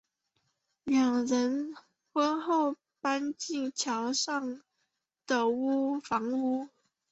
两人婚后搬进桥上的房屋。